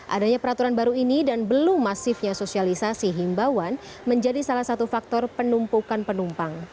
adanya peraturan baru ini dan belum masifnya sosialisasi himbawan menjadi salah satu faktor penumpukan penumpang